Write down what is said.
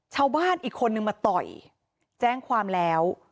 ชาวบ้านอีกคนนึงมาต่อยแจ้งความแล้ว